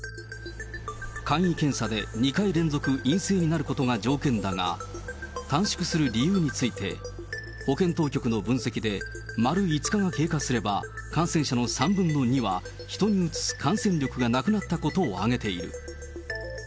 簡易検査で２回連続陰性になることが条件だが、短縮する理由について、保健当局の分析で、丸５日が経過すれば感染者の３分の２は人にうつす感染力がなくなったことを挙げている。